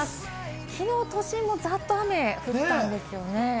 きのう都心もザッと雨、降ったんですよね。